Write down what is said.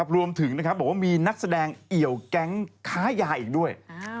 รวมถึงบอกว่ามีนักแสดงเอี่ยวแก๊งค้ายาอีกด้วย